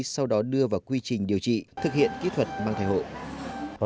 sau đó đưa vào quy trình điều trị thực hiện kỹ thuật mang thai hộ